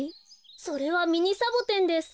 それはミニサボテンです。